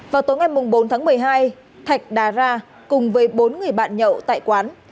vào tối ngày bốn tháng một mươi hai thạch đà ra cùng với bốn người bạn nhậu tại quán